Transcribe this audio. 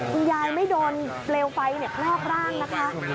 คุณยายไม่โดนเปลวไฟคลอกร่างนะคะ